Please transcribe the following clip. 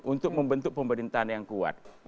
untuk membentuk pemerintahan yang kuat